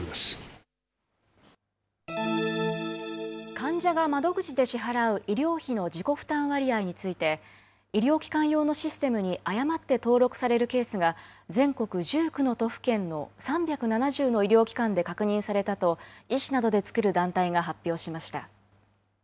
患者が窓口で支払う医療費の自己負担割合について医療機関用のシステムに誤って登録されるケースが全国１９の都府県の３７０の医療機関で確認されたと医師などで作る団体が発表しました。